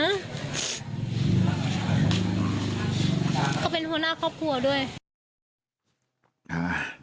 เขาเป็นหัวหน้าครอบครัวด้วย